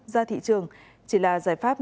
ra thị trường chỉ là giải pháp